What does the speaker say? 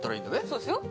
そうですよ